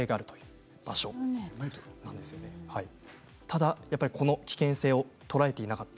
ただ、この危険性を捉えていなかった。